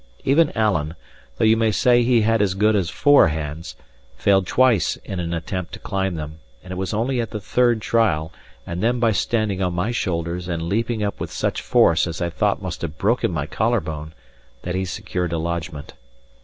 Even Alan (though you may say he had as good as four hands) failed twice in an attempt to climb them; and it was only at the third trial, and then by standing on my shoulders and leaping up with such force as I thought must have broken my collar bone, that he secured a lodgment.